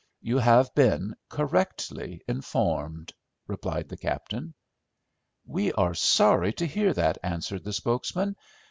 "You have been correctly informed," replied the captain. "We are sorry to hear that," answered the spokesman.